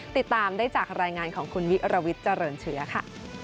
ติดตามได้จากรายงานของคุณวิรวิทย์เจริญเชื้อค่ะ